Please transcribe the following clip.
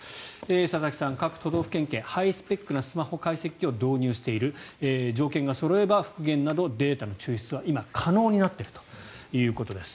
佐々木さん、各都道府県警ハイスペックなスマホ解析機を導入している条件がそろえば復元などデータの抽出は今、可能になっているということです。